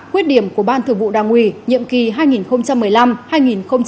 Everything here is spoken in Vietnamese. quyết điểm của ban thường vụ đảng ủy nhiệm kỳ hai nghìn một mươi năm hai nghìn hai mươi